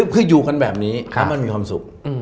คืออยู่กันแบบนี้แล้วมันมีความสุข